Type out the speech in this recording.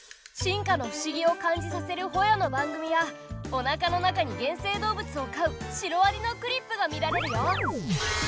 進化の不思議を感じさせるホヤの番組やおなかの中に原生動物を飼うシロアリのクリップが見られるよ！